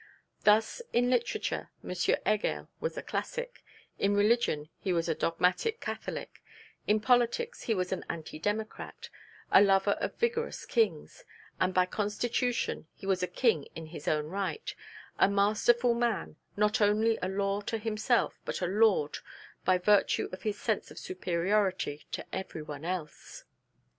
Thus in literature M. Heger was a classic; in religion he was a dogmatic Catholic; in politics he was an anti democrat, a lover of vigorous kings; and by constitution he was a king in his own right: a masterful man, not only a law to himself, but a lord, by virtue of his sense of superiority, to everyone else.